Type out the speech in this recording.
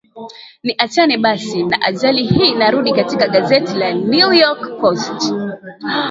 ni achane basi na ajali hii narudi katika gazeti la new york post